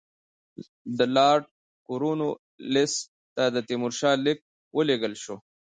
د لارډ کورنوالیس ته د تیمورشاه لیک ولېږل شو.